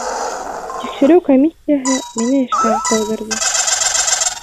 Тикшереү комиссияһы мине эштән ҡыуҙырҙы.